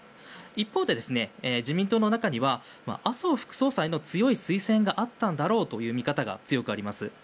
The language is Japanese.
一方で自民党の中には麻生副総裁の強い推薦があったんだろうという見方が強くあります。